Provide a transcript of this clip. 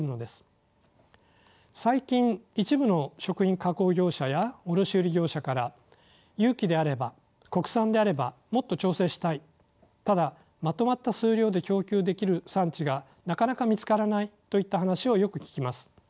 最近一部の食品加工業者や卸売業者から有機であれば国産であればもっと調整したいただまとまった数量で供給できる産地がなかなか見つからないといった話をよく聞きます。